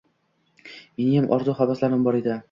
Meniyam orzu-havaslarim bor edi